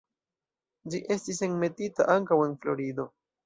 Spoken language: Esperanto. Ĝi estis enmetita ankaŭ en Florido.